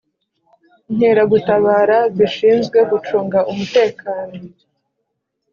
Inkera gutabara zishinzwe gucunga umutekano